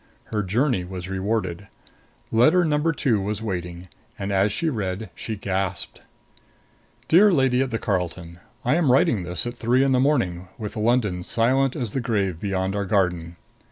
Her journey was rewarded. Letter number two was waiting; and as she read she gasped. DEAR LADY AT THE CARLTON: I am writing this at three in the morning, with London silent as the grave, beyond our garden.